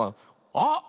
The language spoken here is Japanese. あっ！